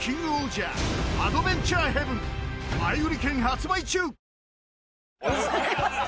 前売り券発売中